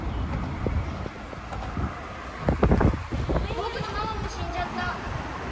ぼくのママもしんじゃった。